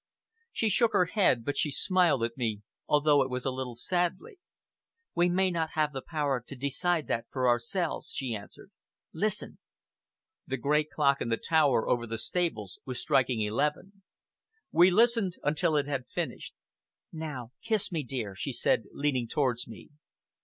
She shook her head, but she smiled at me, although it was a little sadly. "We may not have the power to decide that for ourselves," she answered. "Listen!" The great clock in the tower over the stables was striking eleven. We listened until it had finished. "Now kiss me, dear," she said, leaning towards me.